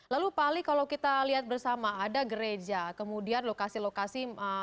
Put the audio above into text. lalu pak ali kalau kita lihat bersama ada gereja kemudian lokasi lokasi